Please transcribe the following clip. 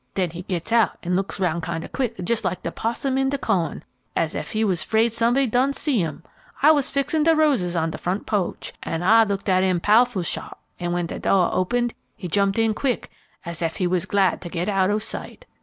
Den he gets out and looks roun' kind o' quick, jes' like de possum in de kohn, as ef he was 'fraid somebody done see 'im. I was fixin' de roses on de front poach, an' I looked at 'im pow'ful sharp, an' when de dooh opened he jumped in quick, as ef he was glad to get out o' sight.